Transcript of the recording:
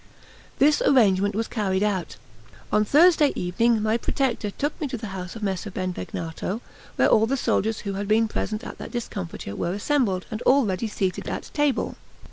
This arrangement was carried out. On Thursday evening my protector took me to the house of Messer Benvegnato, where all the soldiers who had been present at that discomfiture were assembled, and already seated at table.